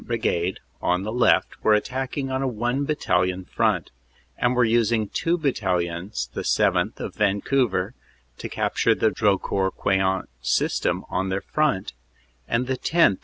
Brigade, on the left, were attacking on a one battalion front, and were using two battalions the 7th., of Vancouver, to capture the Drocourt Queant system on their front, and the 10th.